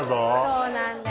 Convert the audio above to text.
そうなんだよ。